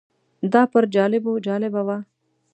دا پر جالبو جالبه وه.